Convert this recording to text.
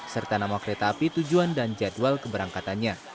serta nama kereta api tujuan dan jadwal keberangkatannya